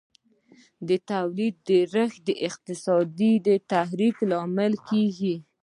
د تولید ډېرښت د اقتصادي تحرک لامل کیږي.